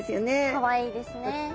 かわいいですね。